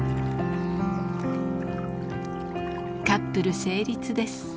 カップル成立です。